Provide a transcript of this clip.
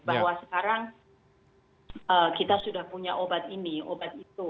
bahwa sekarang kita sudah punya obat ini obat itu